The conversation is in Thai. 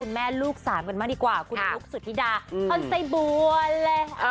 คุณแม่ลูกสามกันมากี๊กว่าคุณลูกสุธิดาออนไซบวอล